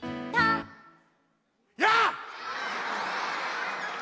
「やあ」